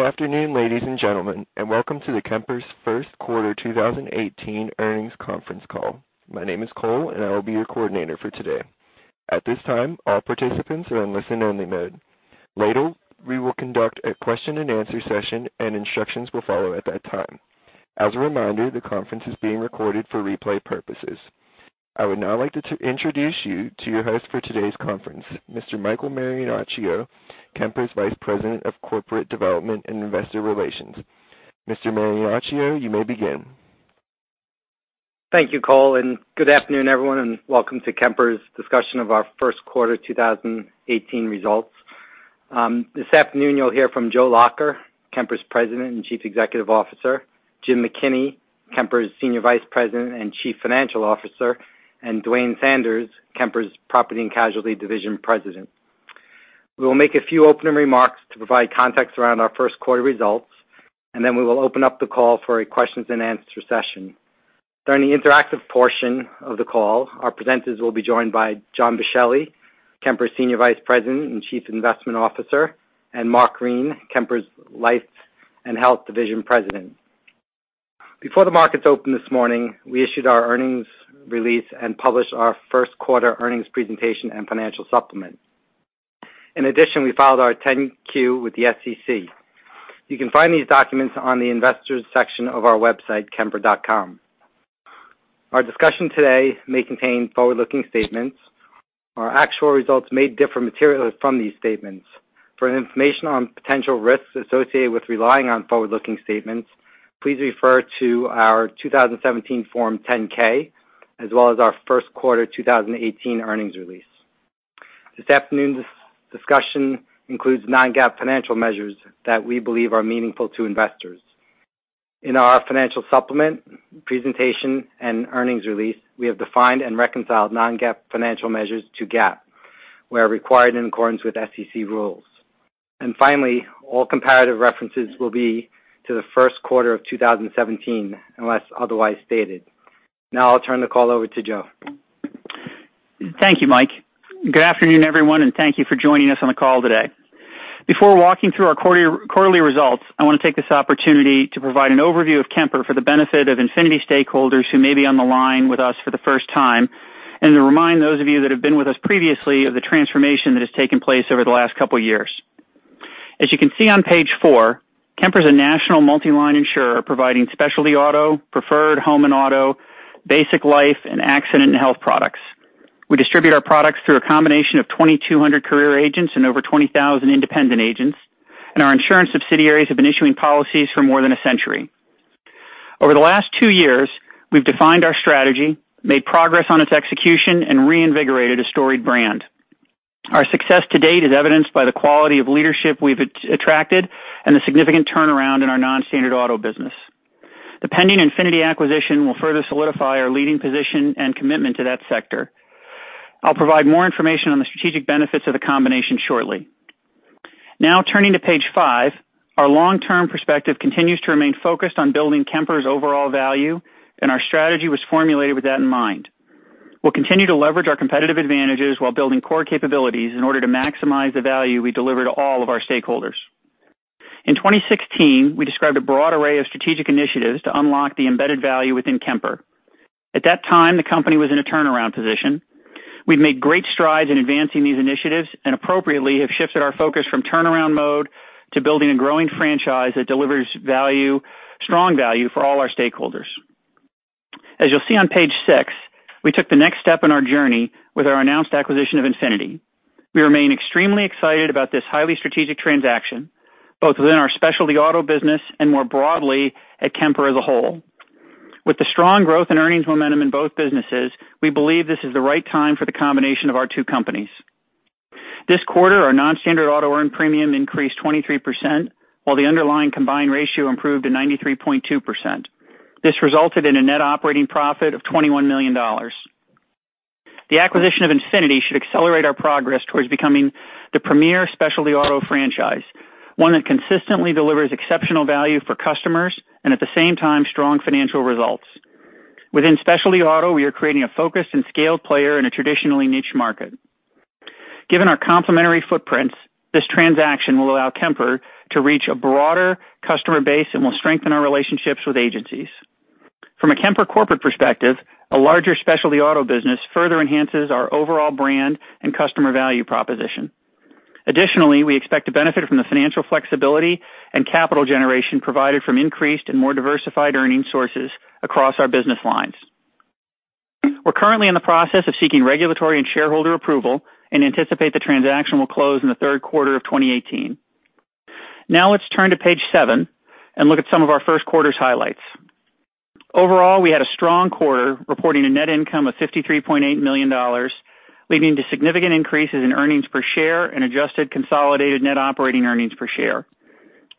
Good afternoon, ladies and gentlemen, welcome to Kemper's first quarter 2018 earnings conference call. My name is Cole, I will be your coordinator for today. At this time, all participants are in listen-only mode. Later, we will conduct a question and answer session, instructions will follow at that time. As a reminder, the conference is being recorded for replay purposes. I would now like to introduce you to your host for today's conference, Mr. Michael Marinaccio, Kemper's Vice President of Corporate Development and Investor Relations. Mr. Marinaccio, you may begin. Thank you, Cole, good afternoon, everyone, welcome to Kemper's discussion of our first quarter 2018 results. This afternoon you'll hear from Joe Lacher, Kemper's President and Chief Executive Officer, Jim McKinney, Kemper's Senior Vice President and Chief Financial Officer, Duane Sanders, Kemper's Property and Casualty Division President. We will make a few opening remarks to provide context around our first quarter results, then we will open up the call for a questions and answer session. During the interactive portion of the call, our presenters will be joined by John Boschelli, Kemper's Senior Vice President and Chief Investment Officer, Mark Green, Kemper's Life and Health Division President. Before the markets opened this morning, we issued our earnings release and published our first quarter earnings presentation and financial supplement. In addition, we filed our 10-Q with the SEC. You can find these documents on the investors section of our website, kemper.com. Our discussion today may contain forward-looking statements. Our actual results may differ materially from these statements. For information on potential risks associated with relying on forward-looking statements, please refer to our 2017 Form 10-K, as well as our first quarter 2018 earnings release. This afternoon's discussion includes non-GAAP financial measures that we believe are meaningful to investors. In our financial supplement presentation and earnings release, we have defined and reconciled non-GAAP financial measures to GAAP where required in accordance with SEC rules. Finally, all comparative references will be to the first quarter of 2017, unless otherwise stated. Now I'll turn the call over to Joe. Thank you, Mike. Good afternoon, everyone, thank you for joining us on the call today. Before walking through our quarterly results, I want to take this opportunity to provide an overview of Kemper for the benefit of Infinity stakeholders who may be on the line with us for the first time, to remind those of you that have been with us previously of the transformation that has taken place over the last couple of years. As you can see on page four, Kemper is a national multi-line insurer providing specialty auto, preferred home and auto, basic life, accident and health products. We distribute our products through a combination of 2,200 career agents and over 20,000 independent agents, our insurance subsidiaries have been issuing policies for more than a century. Over the last two years, we've defined our strategy, made progress on its execution, and reinvigorated a storied brand. Our success to date is evidenced by the quality of leadership we've attracted and the significant turnaround in our non-standard auto business. The pending Infinity acquisition will further solidify our leading position and commitment to that sector. I'll provide more information on the strategic benefits of the combination shortly. Turning to page five, our long-term perspective continues to remain focused on building Kemper's overall value, and our strategy was formulated with that in mind. We'll continue to leverage our competitive advantages while building core capabilities in order to maximize the value we deliver to all of our stakeholders. In 2016, we described a broad array of strategic initiatives to unlock the embedded value within Kemper. At that time, the company was in a turnaround position. We've made great strides in advancing these initiatives and appropriately have shifted our focus from turnaround mode to building a growing franchise that delivers value, strong value for all our stakeholders. As you'll see on page six, we took the next step in our journey with our announced acquisition of Infinity. We remain extremely excited about this highly strategic transaction, both within our specialty auto business and more broadly at Kemper as a whole. With the strong growth and earnings momentum in both businesses, we believe this is the right time for the combination of our two companies. This quarter, our non-standard auto earned premium increased 23%, while the underlying combined ratio improved to 93.2%. This resulted in a net operating profit of $21 million. The acquisition of Infinity should accelerate our progress towards becoming the premier specialty auto franchise, one that consistently delivers exceptional value for customers and at the same time, strong financial results. Within specialty auto, we are creating a focused and scaled player in a traditionally niche market. Given our complementary footprints, this transaction will allow Kemper to reach a broader customer base and will strengthen our relationships with agencies. From a Kemper corporate perspective, a larger specialty auto business further enhances our overall brand and customer value proposition. Additionally, we expect to benefit from the financial flexibility and capital generation provided from increased and more diversified earning sources across our business lines. We're currently in the process of seeking regulatory and shareholder approval and anticipate the transaction will close in the third quarter of 2018. Let's turn to page seven and look at some of our first quarter's highlights. Overall, we had a strong quarter reporting a net income of $53.8 million, leading to significant increases in earnings per share and adjusted consolidated net operating earnings per share.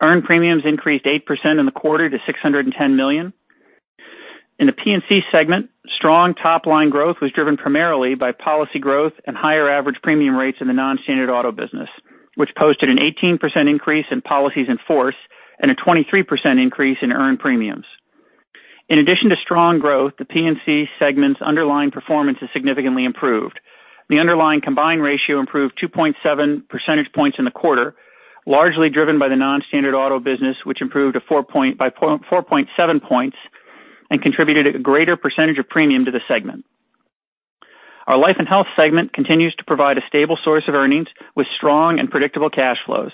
Earned premiums increased 8% in the quarter to $610 million. In the P&C segment, strong top-line growth was driven primarily by policy growth and higher average premium rates in the non-standard auto business, which posted an 18% increase in policies in force and a 23% increase in earned premiums. In addition to strong growth, the P&C segment's underlying performance has significantly improved. The underlying combined ratio improved 2.7 percentage points in the quarter, largely driven by the non-standard auto business, which improved by 4.7 points and contributed a greater percentage of premium to the segment. Our life and health segment continues to provide a stable source of earnings, with strong and predictable cash flows.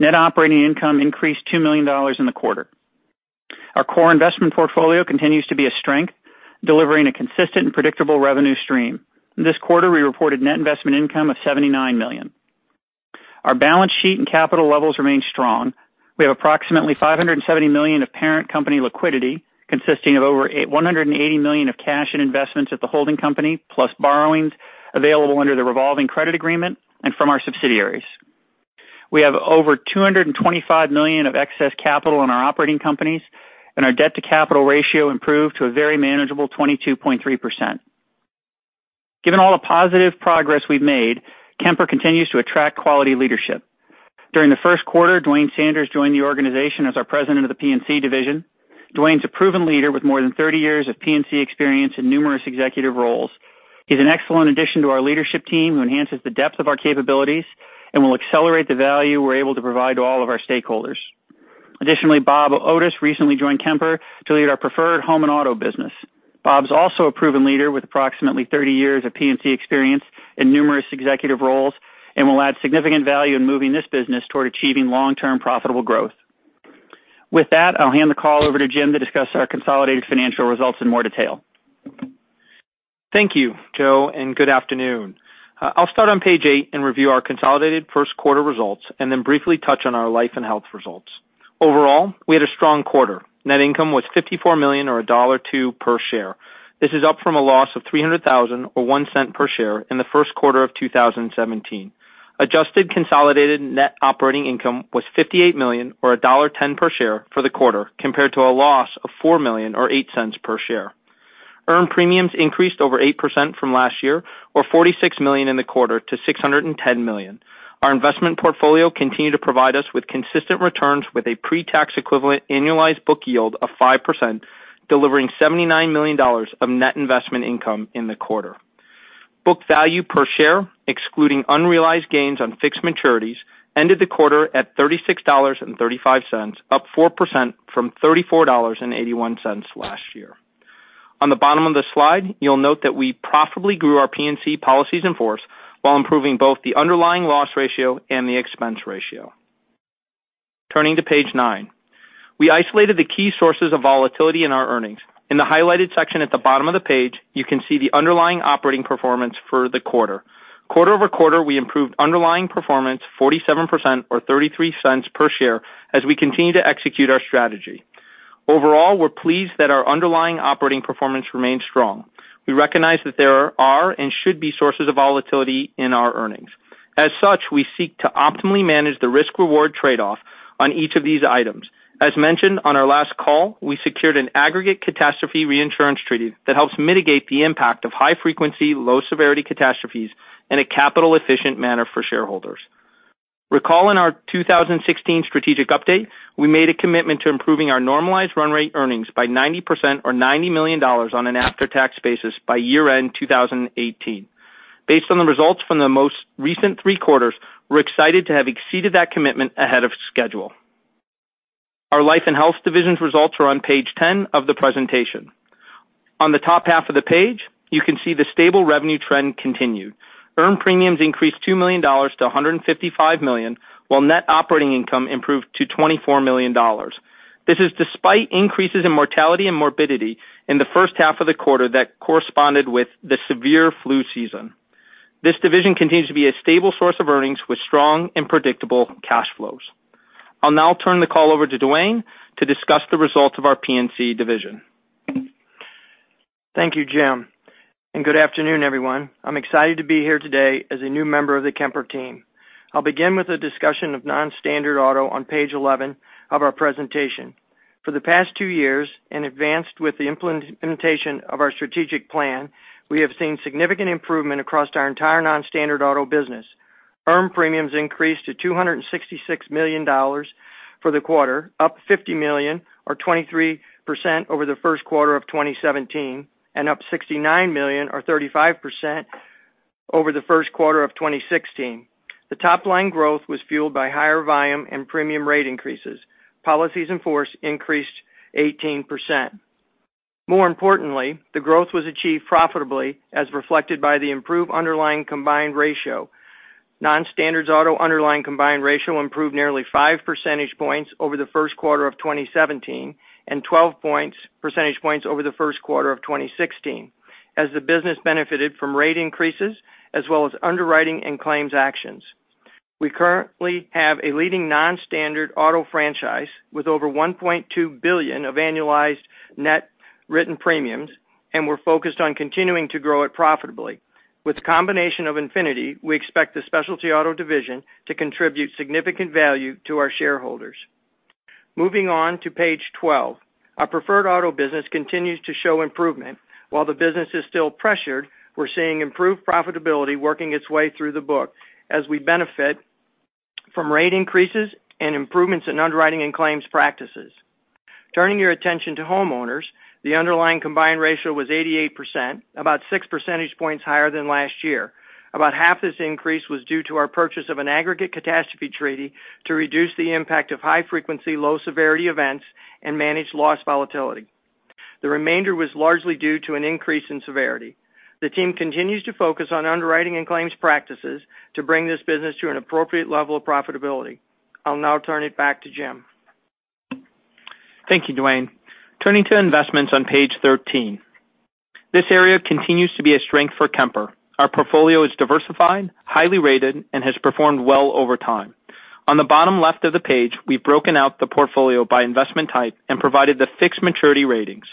Net operating income increased $2 million in the quarter. Our core investment portfolio continues to be a strength, delivering a consistent and predictable revenue stream. In this quarter, we reported net investment income of $79 million. Our balance sheet and capital levels remain strong. We have approximately $570 million of parent company liquidity, consisting of over $180 million of cash and investments at the holding company, plus borrowings available under the revolving credit agreement and from our subsidiaries. We have over $225 million of excess capital in our operating companies, and our debt to capital ratio improved to a very manageable 22.3%. Given all the positive progress we've made, Kemper continues to attract quality leadership. During the first quarter, Duane Sanders joined the organization as our President of the P&C division. Duane's a proven leader with more than 30 years of P&C experience in numerous executive roles. He's an excellent addition to our leadership team who enhances the depth of our capabilities and will accelerate the value we're able to provide to all of our stakeholders. Additionally, Robert Otis recently joined Kemper to lead our preferred home and auto business. Robert's also a proven leader with approximately 30 years of P&C experience in numerous executive roles and will add significant value in moving this business toward achieving long-term profitable growth. With that, I'll hand the call over to James to discuss our consolidated financial results in more detail. Thank you, Joe. Good afternoon. I'll start on page eight and review our consolidated first quarter results, then briefly touch on our life and health results. Overall, we had a strong quarter. Net income was $54 million, or $1.02 per share. This is up from a loss of $300,000, or $0.01 per share in the first quarter of 2017. Adjusted consolidated net operating income was $58 million, or $1.10 per share for the quarter, compared to a loss of $4 million or $0.08 per share. Earned premiums increased over 8% from last year, or $46 million in the quarter to $610 million. Our investment portfolio continued to provide us with consistent returns with a pretax equivalent annualized book yield of 5%, delivering $79 million of net investment income in the quarter. Book value per share, excluding unrealized gains on fixed maturities, ended the quarter at $36.35, up 4% from $34.81 last year. On the bottom of the slide, you'll note that we profitably grew our P&C policies in force while improving both the underlying loss ratio and the expense ratio. Turning to page nine. We isolated the key sources of volatility in our earnings. In the highlighted section at the bottom of the page, you can see the underlying operating performance for the quarter. Quarter-over-quarter, we improved underlying performance 47%, or $0.33 per share, as we continue to execute our strategy. Overall, we're pleased that our underlying operating performance remains strong. We recognize that there are and should be sources of volatility in our earnings. As such, we seek to optimally manage the risk-reward trade-off on each of these items. As mentioned on our last call, we secured an aggregate catastrophe reinsurance treaty that helps mitigate the impact of high frequency, low severity catastrophes in a capital efficient manner for shareholders. Recall in our 2016 strategic update, we made a commitment to improving our normalized run rate earnings by 90% or $90 million on an after-tax basis by year-end 2018. Based on the results from the most recent three quarters, we're excited to have exceeded that commitment ahead of schedule. Our Life & Health Division's results are on page 10 of the presentation. On the top half of the page, you can see the stable revenue trend continued. Earned premiums increased $2 million to $155 million, while net operating income improved to $24 million. This is despite increases in mortality and morbidity in the first half of the quarter that corresponded with the severe flu season. This division continues to be a stable source of earnings with strong and predictable cash flows. I'll now turn the call over to Duane to discuss the results of our P&C division. Thank you, Jim, and good afternoon, everyone. I'm excited to be here today as a new member of the Kemper team. I'll begin with a discussion of non-standard auto on page 11 of our presentation. For the past two years, advanced with the implementation of our strategic plan, we have seen significant improvement across our entire non-standard auto business. Earned premiums increased to $266 million for the quarter, up $50 million or 23% over the first quarter of 2017, and up $69 million or 35% over the first quarter of 2016. The top-line growth was fueled by higher volume and premium rate increases. Policies in force increased 18%. More importantly, the growth was achieved profitably as reflected by the improved underlying combined ratio. Non-standard auto underlying combined ratio improved nearly five percentage points over the first quarter of 2017 and 12 percentage points over the first quarter of 2016, as the business benefited from rate increases as well as underwriting and claims actions. We currently have a leading non-standard auto franchise with over $1.2 billion of annualized net written premiums, and we're focused on continuing to grow it profitably. With the combination of Infinity, we expect the specialty auto division to contribute significant value to our shareholders. Moving on to page 12. Our preferred auto business continues to show improvement. While the business is still pressured, we're seeing improved profitability working its way through the book as we benefit from rate increases and improvements in underwriting and claims practices. Turning your attention to homeowners, the underlying combined ratio was 88%, about six percentage points higher than last year. About half this increase was due to our purchase of an aggregate catastrophe treaty to reduce the impact of high frequency, low severity events and manage loss volatility. The remainder was largely due to an increase in severity. The team continues to focus on underwriting and claims practices to bring this business to an appropriate level of profitability. I'll now turn it back to Jim. Thank you, Duane. Turning to investments on page 13. This area continues to be a strength for Kemper. Our portfolio is diversified, highly rated, and has performed well over time. On the bottom left of the page, we've broken out the portfolio by investment type and provided the fixed maturity ratings.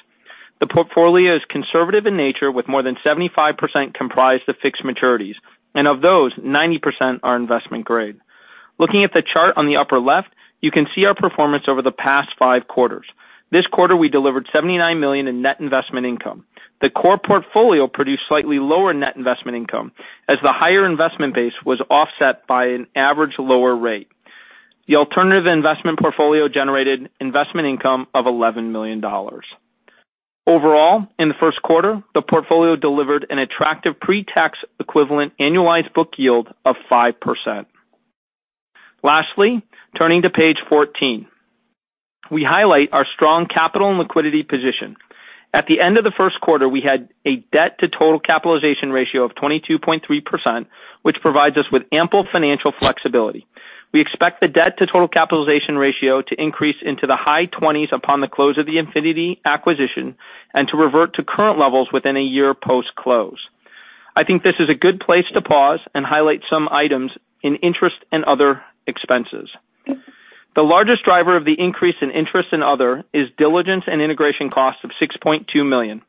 The portfolio is conservative in nature, with more than 75% comprised of fixed maturities, and of those, 90% are investment grade. Looking at the chart on the upper left, you can see our performance over the past five quarters. This quarter, we delivered $79 million in net investment income. The core portfolio produced slightly lower net investment income as the higher investment base was offset by an average lower rate. The alternative investment portfolio generated investment income of $11 million. Overall, in the first quarter, the portfolio delivered an attractive pretax equivalent annualized book yield of 5%. Turning to page 14, we highlight our strong capital and liquidity position. At the end of the first quarter, we had a debt to total capitalization ratio of 22.3%, which provides us with ample financial flexibility. We expect the debt to total capitalization ratio to increase into the high 20s upon the close of the Infinity acquisition and to revert to current levels within a year post-close. I think this is a good place to pause and highlight some items in interest and other expenses. The largest driver of the increase in interest and other is diligence and integration costs of $6.2 million.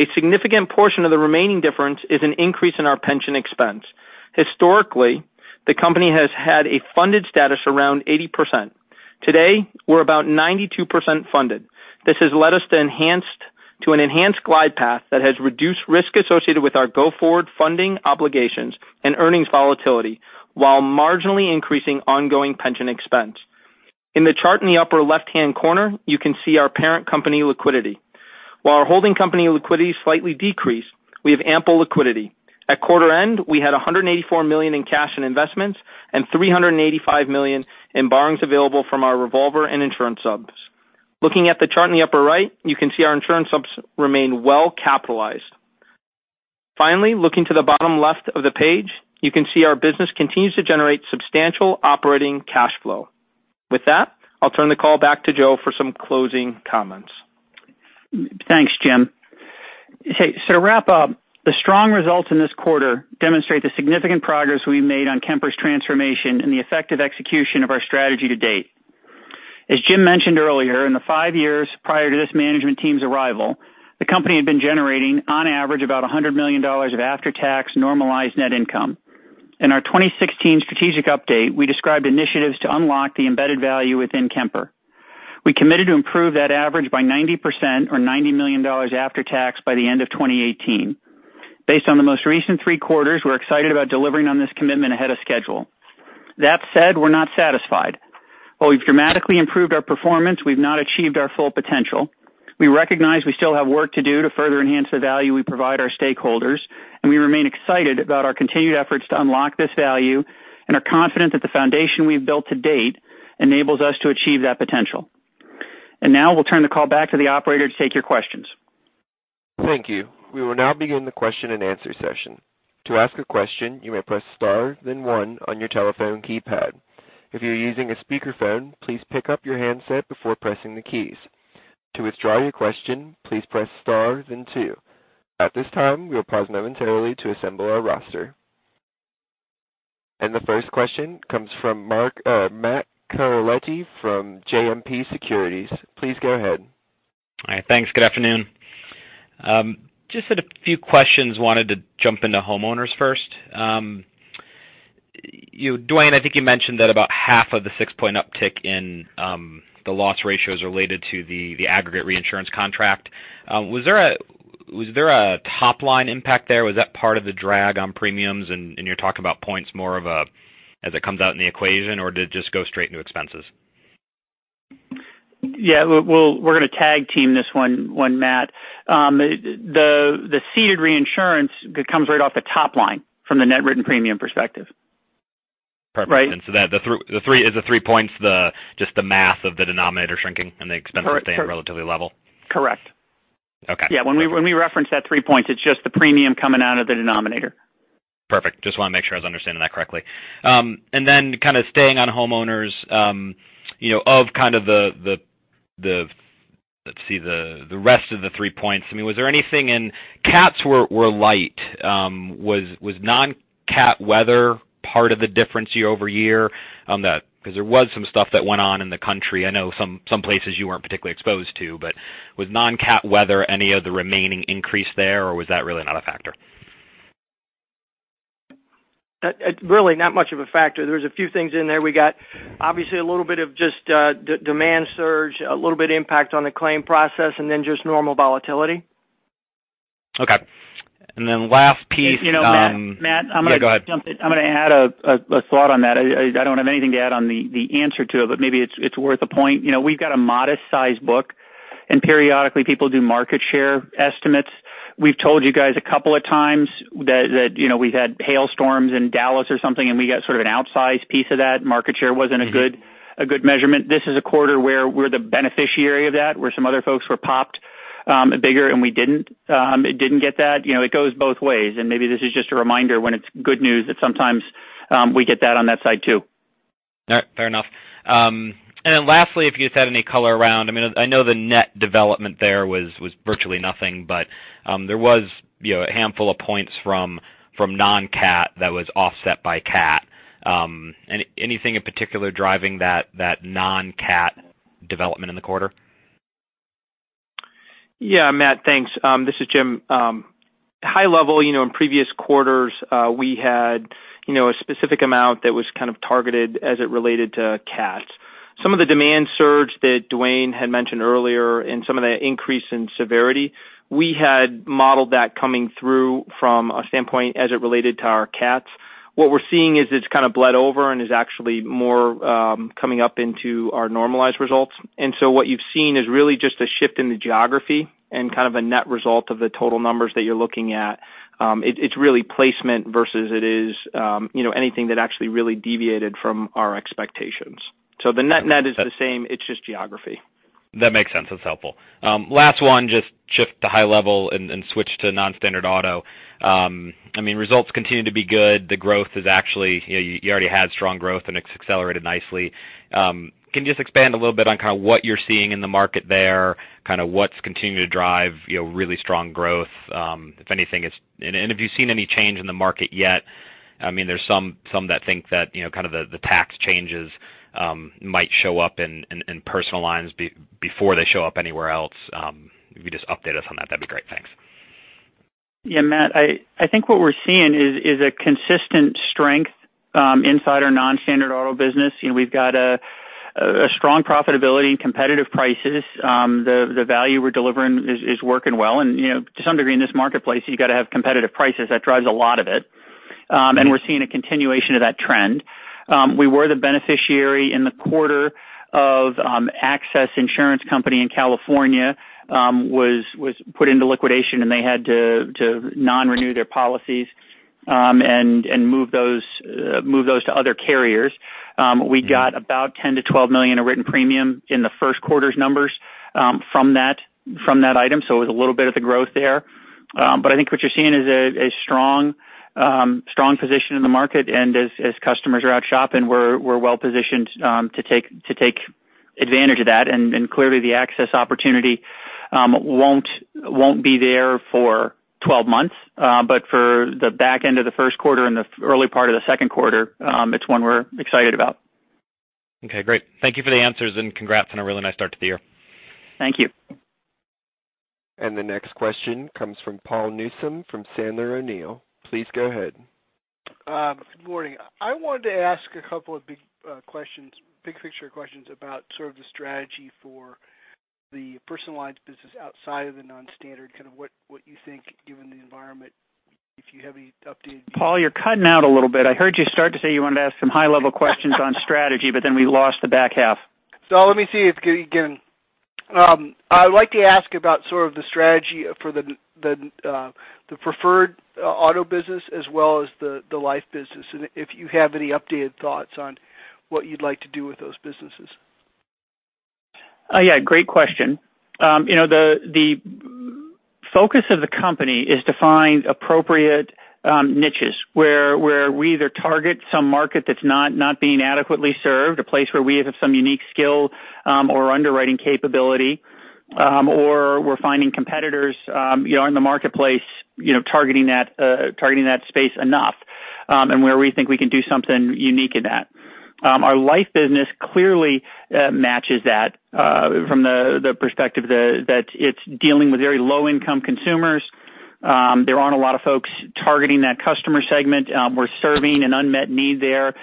A significant portion of the remaining difference is an increase in our pension expense. Historically, the company has had a funded status around 80%. Today, we're about 92% funded. This has led us to an enhanced glide path that has reduced risk associated with our go-forward funding obligations and earnings volatility while marginally increasing ongoing pension expense. In the chart in the upper left-hand corner, you can see our parent company liquidity. While our holding company liquidity slightly decreased, we have ample liquidity. At quarter end, we had $184 million in cash and investments and $385 million in borrowings available from our revolver and insurance subs. Looking at the chart in the upper right, you can see our insurance subs remain well capitalized. Finally, looking to the bottom left of the page, you can see our business continues to generate substantial operating cash flow. With that, I'll turn the call back to Joe for some closing comments. Thanks, Jim. Hey, to wrap up, the strong results in this quarter demonstrate the significant progress we've made on Kemper's transformation and the effective execution of our strategy to date. As Jim mentioned earlier, in the five years prior to this management team's arrival, the company had been generating, on average, about $100 million of after-tax normalized net income. In our 2016 strategic update, we described initiatives to unlock the embedded value within Kemper. We committed to improve that average by 90% or $90 million after tax by the end of 2018. Based on the most recent three quarters, we're excited about delivering on this commitment ahead of schedule. That said, we're not satisfied. While we've dramatically improved our performance, we've not achieved our full potential. We recognize we still have work to do to further enhance the value we provide our stakeholders, we remain excited about our continued efforts to unlock this value and are confident that the foundation we've built to date enables us to achieve that potential. Now we'll turn the call back to the operator to take your questions. Thank you. We will now begin the question and answer session. To ask a question, you may press star then one on your telephone keypad. If you're using a speakerphone, please pick up your handset before pressing the keys. To withdraw your question, please press star then two. At this time, we will pause momentarily to assemble our roster. The first question comes from Matthew Carletti from JMP Securities. Please go ahead. All right. Thanks. Good afternoon. Just had a few questions, wanted to jump into homeowners first. Duane, I think you mentioned that about half of the six-point uptick in the loss ratios related to the aggregate reinsurance contract. Was there a top-line impact there? Was that part of the drag on premiums and you're talking about points more of a as it comes out in the equation, or did it just go straight into expenses? We're going to tag team this one, Matt. The ceded reinsurance comes right off the top line from the net written premium perspective. Perfect. Right. That is the three points just the math of the denominator shrinking and the expenses staying relatively level? Correct. Okay. When we reference that three points, it's just the premium coming out of the denominator. Perfect. Just want to make sure I was understanding that correctly. Kind of staying on homeowners, of kind of the rest of the three points. Cats were light. Was non-cat weather part of the difference year-over-year on that? Because there was some stuff that went on in the country. I know some places you weren't particularly exposed to, but was non-cat weather any of the remaining increase there, or was that really not a factor? Really not much of a factor. There's a few things in there. We got obviously a little bit of just demand surge, a little bit of impact on the claim process, then just normal volatility. Okay. Then last piece- You know, Matt, I'm going to- Yeah, go ahead. jump in. I'm going to add a thought on that. I don't have anything to add on the answer to it, but maybe it's worth a point. We've got a modest-sized book, and periodically people do market share estimates. We've told you guys a couple of times that we've had hailstorms in Dallas or something, and we got sort of an outsized piece of that. Market share wasn't a good measurement. This is a quarter where we're the beneficiary of that, where some other folks were popped bigger and we didn't get that. It goes both ways, and maybe this is just a reminder when it's good news that sometimes we get that on that side, too. All right. Fair enough. Lastly, if you just had any color around, I know the net development there was virtually nothing, but there was a handful of points from non-CAT that was offset by CAT. Anything in particular driving that non-CAT development in the quarter? Yeah, Matt, thanks. This is Jim. High level, in previous quarters, we had a specific amount that was kind of targeted as it related to CAT. Some of the demand surge that Dwayne had mentioned earlier and some of the increase in severity, we had modeled that coming through from a standpoint as it related to our CATs. What we're seeing is it's kind of bled over and is actually more coming up into our normalized results. What you've seen is really just a shift in the geography and kind of a net result of the total numbers that you're looking at. It's really placement versus it is anything that actually really deviated from our expectations. The net is the same, it's just geography. That makes sense. That's helpful. Last one, just shift to high level and switch to non-standard auto. Results continue to be good. You already had strong growth and it's accelerated nicely. Can you just expand a little bit on what you're seeing in the market there, what's continuing to drive really strong growth? If anything, and have you seen any change in the market yet? There's some that think that the tax changes might show up in personal lines before they show up anywhere else. If you just update us on that'd be great. Thanks. Matt, I think what we're seeing is a consistent strength inside our non-standard auto business. We've got a strong profitability and competitive prices. The value we're delivering is working well. To some degree in this marketplace, you've got to have competitive prices. That drives a lot of it. We're seeing a continuation of that trend. We were the beneficiary in the quarter of Access Insurance Company in California, was put into liquidation, and they had to non-renew their policies and move those to other carriers. We got about $10 million to $12 million of written premium in the first quarter's numbers from that item, so it was a little bit of the growth there. I think what you're seeing is a strong position in the market, and as customers are out shopping, we're well-positioned to take advantage of that. Clearly the Access opportunity won't be there for 12 months. For the back end of the first quarter and the early part of the second quarter, it's one we're excited about. Okay, great. Thank you for the answers, and congrats on a really nice start to the year. Thank you. The next question comes from Paul Newsome from Sandler O'Neill. Please go ahead. Good morning. I wanted to ask a couple of big picture questions about sort of the strategy for the personal lines business outside of the non-standard, what you think given the environment, if you have any updates. Paul, you're cutting out a little bit. I heard you start to say you wanted to ask some high-level questions on strategy, we lost the back half. Let me see if I can. I'd like to ask about sort of the strategy for the preferred auto business as well as the life business, and if you have any updated thoughts on what you'd like to do with those businesses. Yeah, great question. The focus of the company is to find appropriate niches where we either target some market that's not being adequately served, a place where we have some unique skill or underwriting capability, or we're finding competitors in the marketplace targeting that space enough, where we think we can do something unique in that. Our life business clearly matches that from the perspective that it's dealing with very low-income consumers. There aren't a lot of folks targeting that customer segment. We're serving an unmet need there,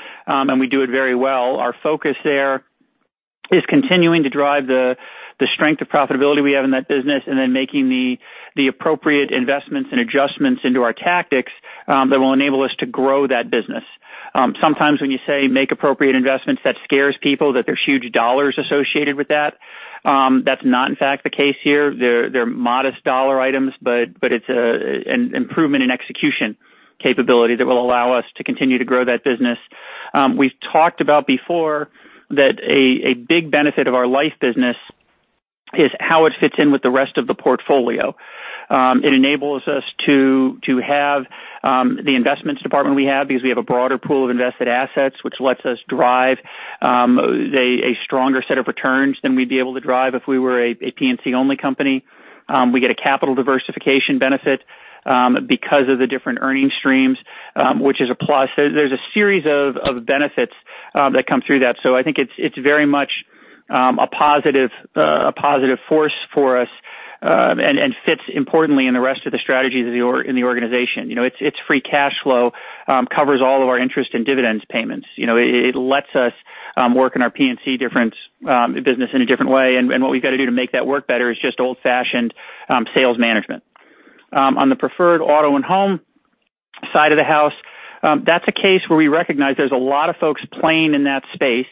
we do it very well. Our focus there is continuing to drive the strength of profitability we have in that business, making the appropriate investments and adjustments into our tactics that will enable us to grow that business. Sometimes when you say make appropriate investments, that scares people that there's huge dollars associated with that. That's not, in fact, the case here. They're modest dollar items, it's an improvement in execution capability that will allow us to continue to grow that business. We've talked about before that a big benefit of our life business is how it fits in with the rest of the portfolio. It enables us to have the investments department we have because we have a broader pool of invested assets, which lets us drive a stronger set of returns than we'd be able to drive if we were a P&C-only company. We get a capital diversification benefit because of the different earning streams, which is a plus. There's a series of benefits that come through that. I think it's very much a positive force for us, fits importantly in the rest of the strategies in the organization. Its free cash flow covers all of our interest and dividends payments. It lets us Work in our P&C different business in a different way. What we've got to do to make that work better is just old-fashioned sales management. On the preferred auto and home side of the house, that's a case where we recognize there's a lot of folks playing in that space.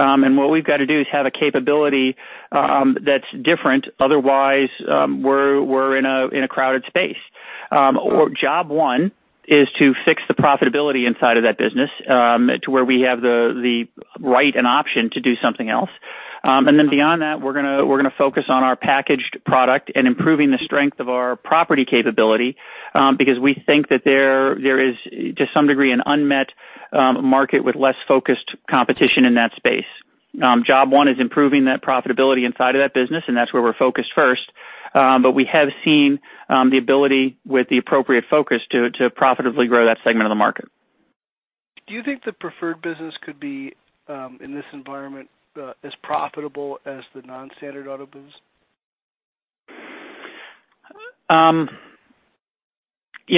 What we've got to do is have a capability that's different, otherwise, we're in a crowded space. Job one is to fix the profitability inside of that business, to where we have the right and option to do something else. Beyond that, we're going to focus on our packaged product and improving the strength of our property capability, because we think that there is, to some degree, an unmet market with less focused competition in that space. Job one is improving that profitability inside of that business, that's where we're focused first. We have seen the ability with the appropriate focus to profitably grow that segment of the market. Do you think the preferred business could be, in this environment, as profitable as the non-standard auto business?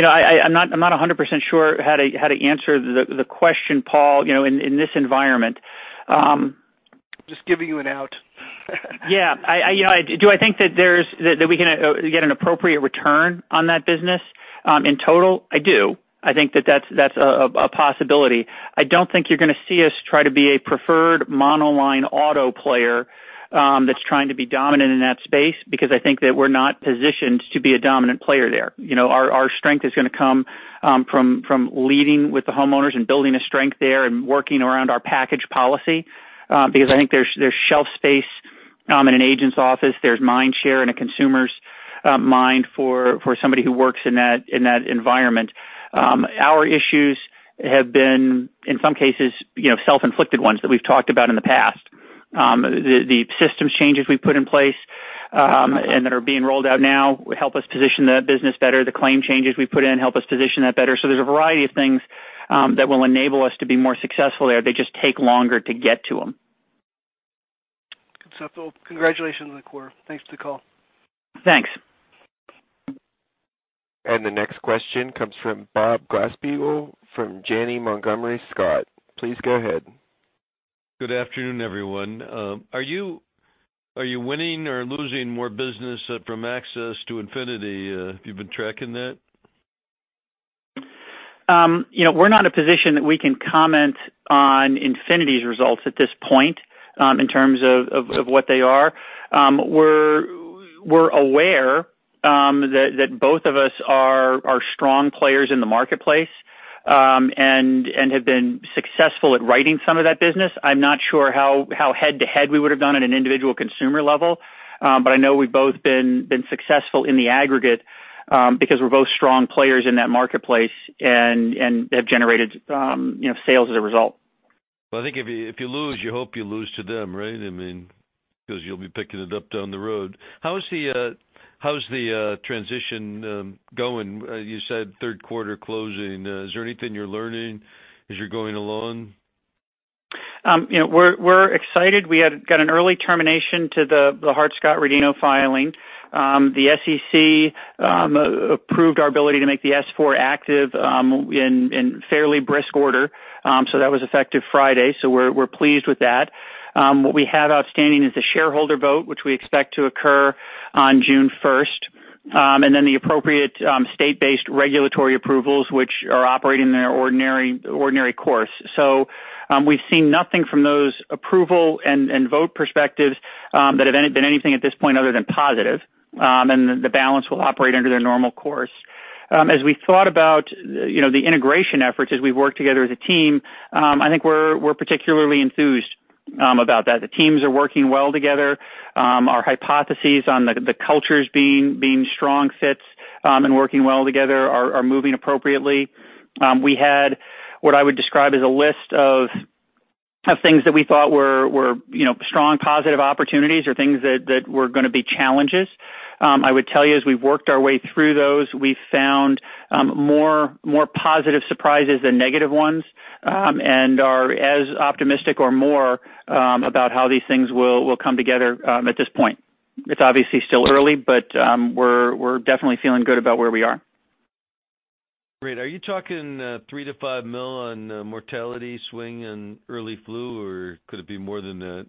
I'm not 100% sure how to answer the question, Paul, in this environment. Just giving you an out. Yeah. Do I think that we can get an appropriate return on that business in total? I do. I think that that's a possibility. I don't think you're going to see us try to be a preferred monoline auto player that's trying to be dominant in that space, because I think that we're not positioned to be a dominant player there. Our strength is going to come from leading with the homeowners and building a strength there and working around our package policy. Because I think there's shelf space in an agent's office, there's mind share in a consumer's mind for somebody who works in that environment. Our issues have been, in some cases, self-inflicted ones that we've talked about in the past. The systems changes we've put in place, and that are being rolled out now, help us position the business better. The claim changes we put in help us position that better. There's a variety of things that will enable us to be more successful there. They just take longer to get to them. Good stuff. Well, congratulations on the quarter. Thanks for the call. Thanks. The next question comes from Bob Glasspiegel from Janney Montgomery Scott. Please go ahead. Good afternoon, everyone. Are you winning or losing more business from Access to Infinity? Have you been tracking that? We're not in a position that we can comment on Infinity's results at this point, in terms of what they are. We're aware that both of us are strong players in the marketplace, and have been successful at writing some of that business. I'm not sure how head-to-head we would've done at an individual consumer level. I know we've both been successful in the aggregate, because we're both strong players in that marketplace and have generated sales as a result. Well, I think if you lose, you hope you lose to them, right? You'll be picking it up down the road. How's the transition going? You said third quarter closing. Is there anything you're learning as you're going along? We're excited. We got an early termination to the Hart-Scott-Rodino filing. The SEC approved our ability to make the S4 active in fairly brisk order. That was effective Friday, so we're pleased with that. What we have outstanding is the shareholder vote, which we expect to occur on June 1st, and then the appropriate state-based regulatory approvals, which are operating in their ordinary course. We've seen nothing from those approval and vote perspectives that have been anything at this point other than positive, and the balance will operate under their normal course. As we thought about the integration efforts as we work together as a team, I think we're particularly enthused about that. The teams are working well together. Our hypotheses on the cultures being strong fits, and working well together are moving appropriately. We had, what I would describe as a list of things that we thought were strong positive opportunities or things that were going to be challenges. I would tell you, as we've worked our way through those, we've found more positive surprises than negative ones, and are as optimistic or more about how these things will come together at this point. It's obviously still early, we're definitely feeling good about where we are. Great. Are you talking $3 million-$5 million on mortality swing and early flu or could it be more than that?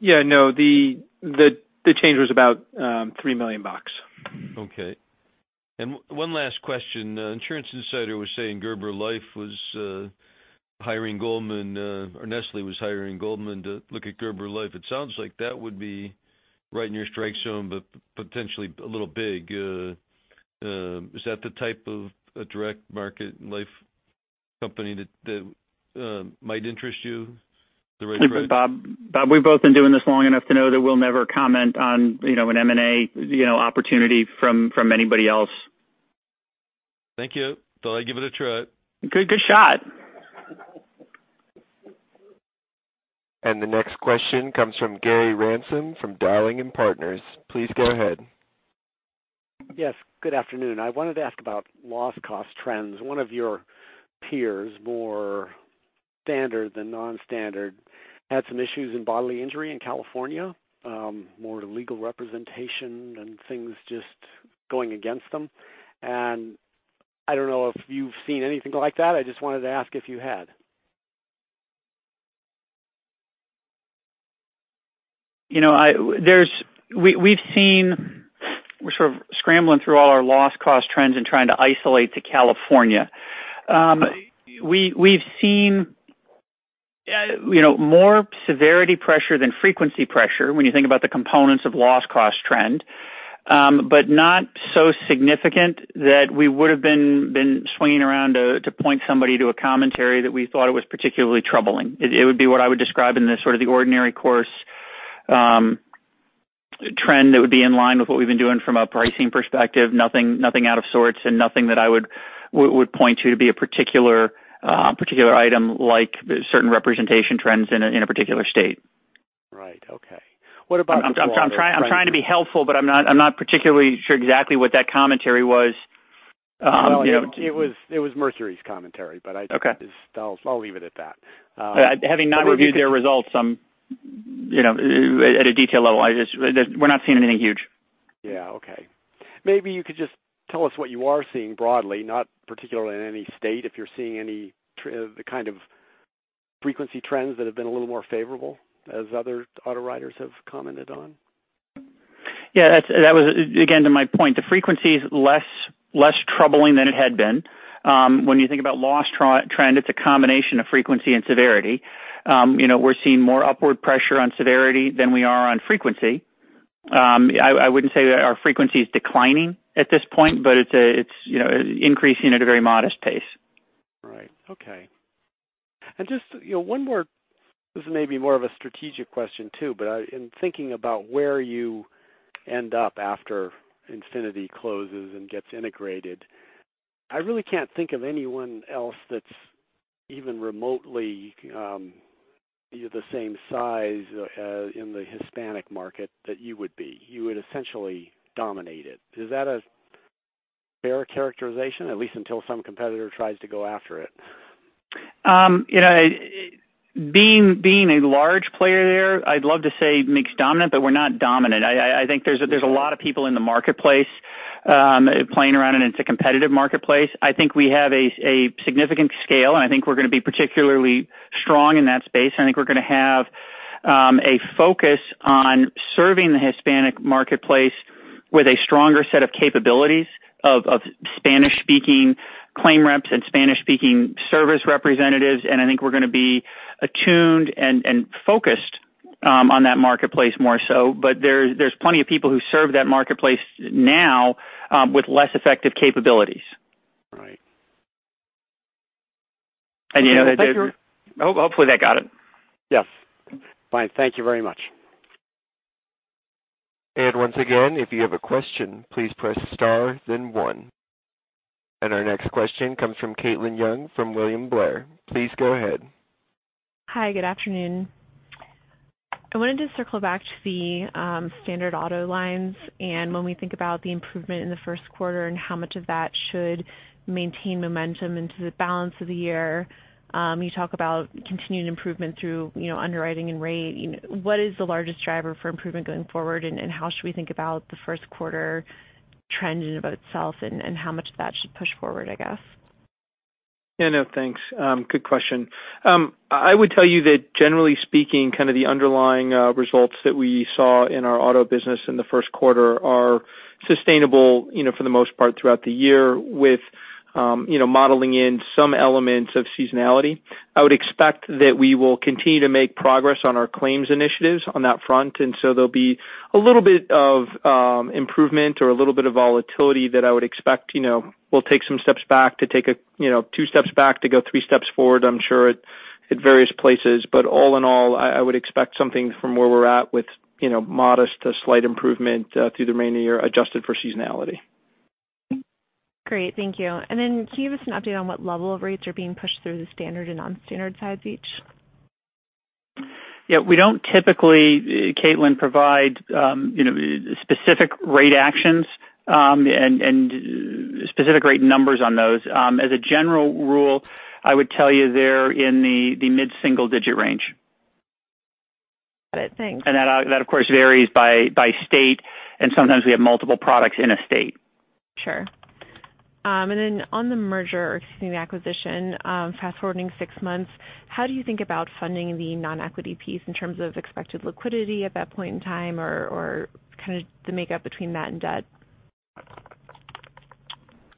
Yeah, no, the change was about $3 million. Okay. One last question. Insurance Insider was saying Gerber Life was hiring Goldman, or Nestlé was hiring Goldman to look at Gerber Life. It sounds like that would be right in your strike zone, but potentially a little big. Is that the type of a direct market life company that might interest you at the right price? Bob, we've both been doing this long enough to know that we'll never comment on an M&A opportunity from anybody else. Thank you. Thought I'd give it a try. Good shot. The next question comes from Gary Ransom from Dowling & Partners. Please go ahead. Yes, good afternoon. I wanted to ask about loss cost trends. One of your peers, more standard than non-standard, had some issues in bodily injury in California, more legal representation and things just going against them. I don't know if you've seen anything like that. I just wanted to ask if you had. We're sort of scrambling through all our loss cost trends and trying to isolate to California. We've seen more severity pressure than frequency pressure, when you think about the components of loss cost trend, but not so significant that we would've been swinging around to point somebody to a commentary that we thought it was particularly troubling. It would be what I would describe in the sort of the ordinary course, trend that would be in line with what we've been doing from a pricing perspective. Nothing out of sorts, and nothing that I would point to be a particular item like certain representation trends in a particular state. Right. Okay. What about- I'm trying to be helpful, I'm not particularly sure exactly what that commentary was. Well, it was Mercury's commentary, I- Okay. I'll leave it at that. Having not reviewed their results at a detail level, we're not seeing anything huge. Yeah. Okay. Maybe you could just tell us what you are seeing broadly, not particularly in any state, if you're seeing any kind of frequency trends that have been a little more favorable as other auto writers have commented on. Yeah, that was, again, to my point, the frequency's less troubling than it had been. When you think about loss trend, it's a combination of frequency and severity. We're seeing more upward pressure on severity than we are on frequency. I wouldn't say that our frequency is declining at this point, but it's increasing at a very modest pace. Right. Okay. Just one more, this may be more of a strategic question too, but in thinking about where you end up after Infinity closes and gets integrated, I really can't think of anyone else that's even remotely the same size in the Hispanic market that you would be. You would essentially dominate it. Is that a fair characterization, at least until some competitor tries to go after it? Being a large player there, I'd love to say makes dominant, but we're not dominant. I think there's a lot of people in the marketplace playing around in it. It's a competitive marketplace. I think we have a significant scale, and I think we're going to be particularly strong in that space. I think we're going to have a focus on serving the Hispanic market with a stronger set of capabilities of Spanish-speaking claim reps and Spanish-speaking service representatives. I think we're going to be attuned and focused on that marketplace more so, but there's plenty of people who serve that marketplace now with less effective capabilities. Right. Hopefully that got it. Yes. Fine. Thank you very much. Once again, if you have a question, please press star then one. Our next question comes from Caitlin Young from William Blair. Please go ahead. Hi, good afternoon. I wanted to circle back to the standard auto lines, and when we think about the improvement in the first quarter and how much of that should maintain momentum into the balance of the year. You talk about continued improvement through underwriting and rate. What is the largest driver for improvement going forward, and how should we think about the first quarter trend in and of itself and how much of that should push forward, I guess? Yeah, no, thanks. Good question. I would tell you that generally speaking, kind of the underlying results that we saw in our auto business in the first quarter are sustainable for the most part throughout the year with modeling in some elements of seasonality. So there'll be a little bit of improvement or a little bit of volatility that I would expect. We'll take some steps back to take two steps back to go three steps forward, I'm sure, at various places. All in all, I would expect something from where we're at with modest to slight improvement through the remaining year, adjusted for seasonality. Great. Thank you. Then can you give us an update on what level of rates are being pushed through the standard and non-standard sides each? Yeah. We don't typically, Caitlin, provide specific rate actions and specific rate numbers on those. As a general rule, I would tell you they're in the mid-single-digit range. Got it. Thanks. That, of course, varies by state, and sometimes we have multiple products in a state. Sure. Then on the merger, excuse me, the acquisition, fast-forwarding six months, how do you think about funding the non-equity piece in terms of expected liquidity at that point in time or kind of the makeup between that and debt?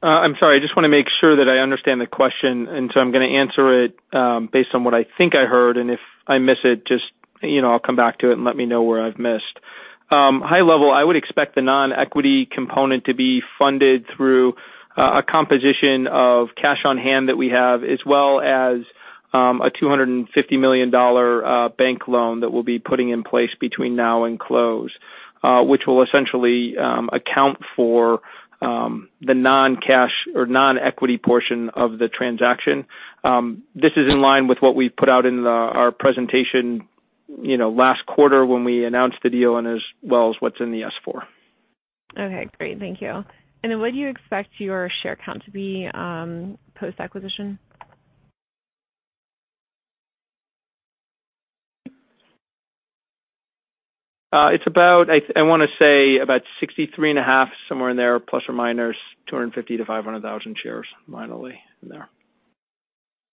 I'm sorry, I just want to make sure that I understand the question, and so I'm going to answer it based on what I think I heard, and if I miss it, just I'll come back to it and let me know where I've missed. High level, I would expect the non-equity component to be funded through a composition of cash on hand that we have, as well as a $250 million bank loan that we'll be putting in place between now and close, which will essentially account for the non-cash or non-equity portion of the transaction. This is in line with what we put out in our presentation last quarter when we announced the deal and as well as what's in the S4. Okay, great. Thank you. What do you expect your share count to be post-acquisition? It's about, I want to say about 63.5, somewhere in there, plus or minus 250,000-500,000 shares minorly in there.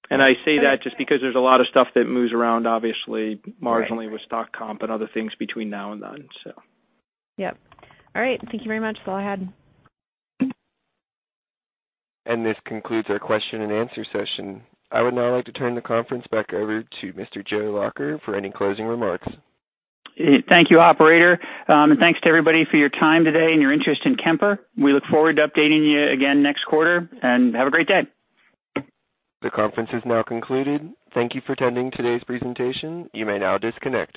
I say that just because there's a lot of stuff that moves around, obviously marginally with stock comp and other things between now and then. Yep. All right. Thank you very much. That's all I had. This concludes our question and answer session. I would now like to turn the conference back over to Mr. Joe Lacher for any closing remarks. Thank you, operator. Thanks to everybody for your time today and your interest in Kemper. We look forward to updating you again next quarter, and have a great day. The conference is now concluded. Thank you for attending today's presentation. You may now disconnect.